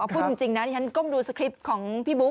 พูดจริงนะที่ฉันก้มดูสคริปต์ของพี่บุ๊